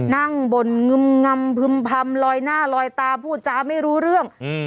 นั่งบนงึมงำพึ่มพำลอยหน้าลอยตาพูดจาไม่รู้เรื่อง